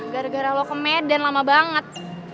gara gara lo ke medan lama banget